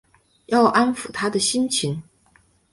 要安抚她的心情